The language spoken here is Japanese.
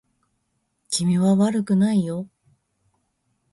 君は悪くないよ